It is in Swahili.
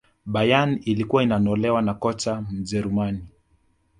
bayern ilkuwa inanolewa na kocha mjerumani